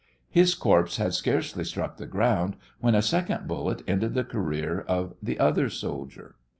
His corpse had scarcely struck the ground when a second bullet ended the career of the other soldier.